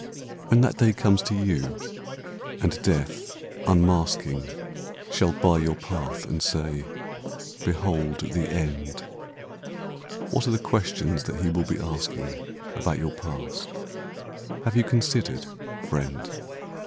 When that day comes to you, and Death, unmasking, Shall bar your path, and say, "Behold the end," What are the questions that he will be asking About your past? Have you considered, friend?